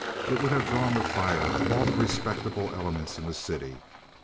It would have drawn the fire of all the respectable elements in the city.